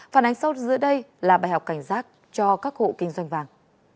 phản ánh sau giữa đây là bài học cảnh giác cho các hộ kinh doanh vàng